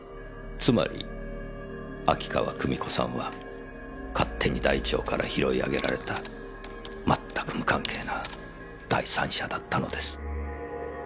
つまり秋川久美子さんは勝手に台帳から拾い上げられたまったく無関係な第三者だったのです。